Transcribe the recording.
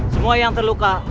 semua yang terluka